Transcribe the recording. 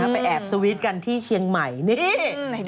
ไปแอบสวิตช์กันที่เชียงใหม่นี่